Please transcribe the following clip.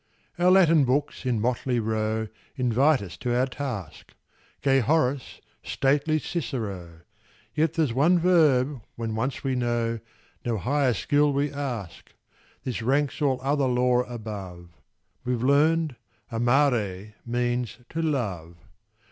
Our Latin books, in motley row, Invite us to our task Gay Horace, stately Cicero: Yet there's one verb, when once we know, No higher skill we ask: This ranks all other lore above We've learned "'Amare' means 'to love'!"